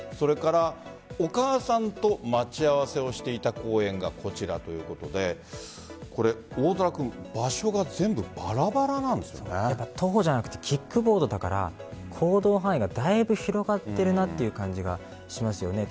お母さんと待ち合わせをしていた公園がこちらということで大空君徒歩じゃなくてキックボードだから行動範囲がだいぶ広がっているなという感じがしますよね。